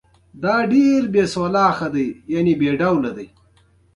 ازادي راډیو د سوداګریز تړونونه د ارتقا لپاره نظرونه راټول کړي.